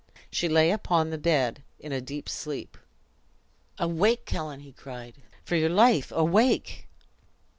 She lay upon the bed in a deep sleep. "Awake, Helen!" he cried; "for your life, awake!"